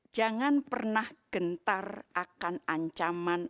jangan pernah gentar akan ancaman